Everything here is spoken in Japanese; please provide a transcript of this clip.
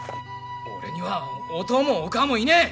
俺にはお父もお母もいねえ。